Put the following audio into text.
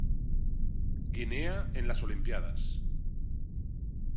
Guinea en las Olimpíadas